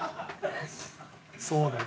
そうだよ。